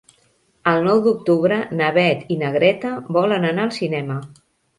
El nou d'octubre na Beth i na Greta volen anar al cinema.